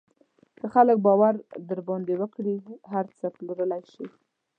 که خلک باور در باندې وکړي، هر څه پلورلی شې.